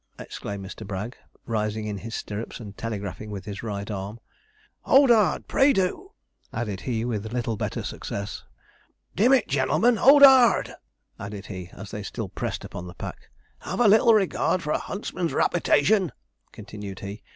exclaimed Mr. Bragg, rising in his stirrups and telegraphing with his right arm. 'Hold hard! pray do!' added he, with little better success. 'Dim it, gen'lemen, hold hard!' added he, as they still pressed upon the pack. 'Have a little regard for a huntsman's raputation,' continued he.